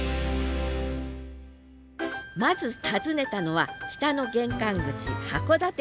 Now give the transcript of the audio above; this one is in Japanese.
まず訪ねたのは北の玄関口函館の象徴！